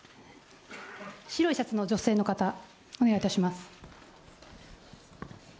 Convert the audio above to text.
白いシャツの女性の方、お願いいたします。